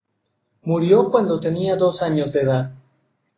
Murió cuando tenía dos años de edad.